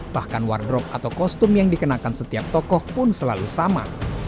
bahkan wardrop atau kostum yang dikenakan setiap tokoh pun selalu sama